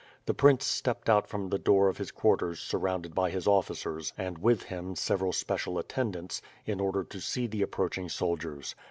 The prince stepped out from the door of his quarters surrounded by his officers and, with him several special attendants, in order to see the approaching soldiers.